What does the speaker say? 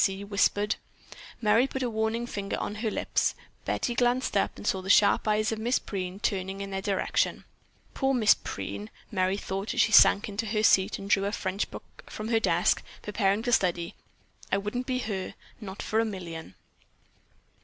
S. C. whispered. Merry put a warning finger on her lips. Betty glanced up and saw the sharp eyes of Miss Preen turning in their direction. "Poor Miss Preen!" Merry thought as she sank into her seat and drew a French book from her desk preparing to study. "I wouldn't be her, not for a million!"